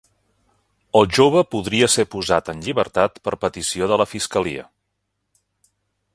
El jove podria ser posat en llibertat per petició de la fiscalia